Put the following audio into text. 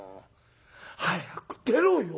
早く出ろよ。